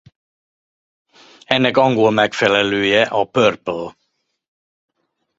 Ennek angol megfelelője a purple.